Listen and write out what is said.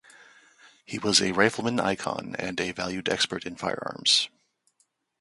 He was a rifleman icon and a valued expert in firearms.